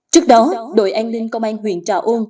trước đó đội anh linh công an huyện trà ôn